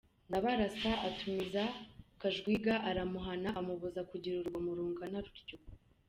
Ndabarasa atumiza Kajwiga aramuhana, amubuza kugira urugomo rungana rutyo.